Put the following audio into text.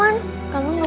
satu saat tidak